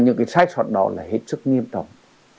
những cái sai soạn đó là hết sức nghiêm trọng